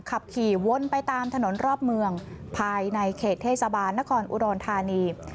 ขับขี่วนไปตามถนนรอบเมืองภายในเขตเทศบาลนครอุดรธานี